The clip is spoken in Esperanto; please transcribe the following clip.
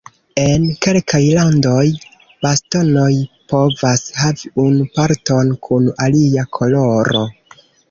En kelkaj landoj bastonoj povas havi unu parton kun alia koloro.